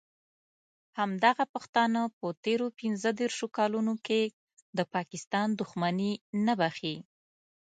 همدغه پښتانه په تېرو پینځه دیرشو کالونو کې د پاکستان دښمني نه بښي.